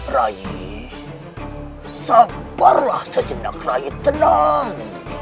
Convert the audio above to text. rai sabarlah sejenak rayu tenang